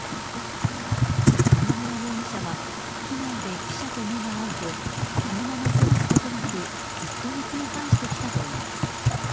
今村容疑者は機内で記者と目が合うとそのままそらすことなく、ずっと見つめ返してきたといいます。